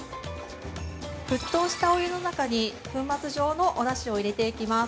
◆沸騰したお湯の中に粉末状のおだしを入れていきます。